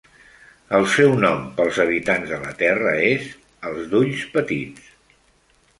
El seu nom pels habitants de la Terra és "els d'ulls petits".